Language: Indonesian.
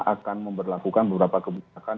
akan memperlakukan beberapa kebijakan